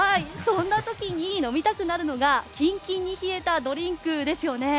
そんな時に飲みたくなるのがキンキンに冷えたドリンクですよね。